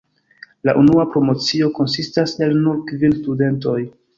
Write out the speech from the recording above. La unua promocio konsistas el nur kvin studentoj.